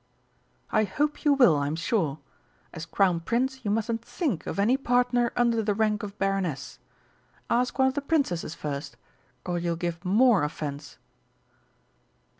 "I hope you will, I'm sure. As Crown Prince you mustn't think of any partner under the rank of Baroness. Ask one of the Princesses first, or you'll give more offence."